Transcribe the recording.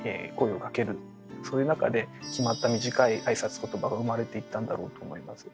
そういう中で決まった短い挨拶ことばが生まれていったんだろうと思います。